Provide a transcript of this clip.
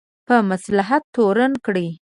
په مصلحت تورن کړي.